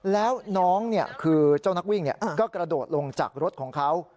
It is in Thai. แล้วน้องคือเจ้านักวิ่งก็กระโดดลงจากรถของเขา